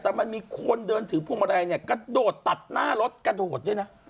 แต่มันมีคนเดินถือพวงมาลัยเนี่ยกระโดดตัดหน้ารถกระโดดด้วยนะ